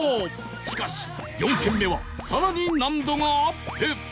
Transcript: しかし４軒目はさらに難度がアップ！